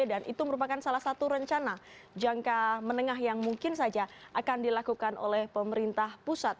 dan itu merupakan salah satu rencana jangka menengah yang mungkin saja akan dilakukan oleh pemerintah pusat